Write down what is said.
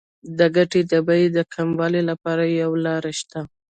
د ګټې د بیې د کموالي لپاره یوه لار شته